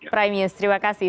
prime news terima kasih